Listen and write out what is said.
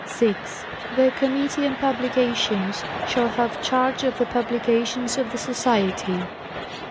6.—The Committee on Publications shall have charge of the publications of the Society.